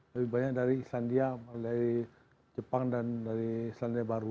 lebih banyak dari islandia dari jepang dan dari selandia baru